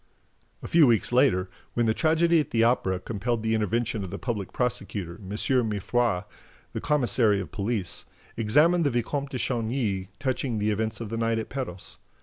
A few weeks later, when the tragedy at the Opera compelled the intervention of the public prosecutor, M. Mifroid, the commissary of police, examined the Vicomte de Chagny touching the events of the night at Perros.